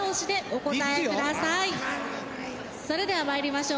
それでは参りましょう。